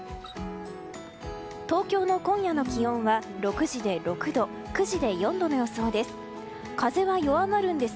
東京の今夜の気温は６時で６度９時で４度の予想です。